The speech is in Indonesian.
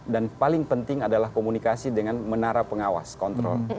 dan paling penting adalah komunikasi dengan menara pengawas kontrol